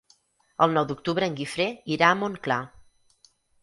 El nou d'octubre en Guifré irà a Montclar.